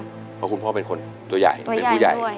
เพราะคุณพ่อเป็นคนตัวใหญ่เป็นผู้ใหญ่